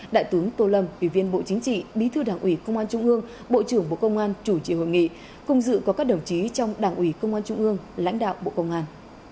đại tướng tô lâm ủy viên bộ chính trị bí thư đảng ủy công an trung ương bộ trưởng bộ công an chủ trì hội nghị cùng dự có các đồng chí trong đảng ủy công an trung ương lãnh đạo bộ công an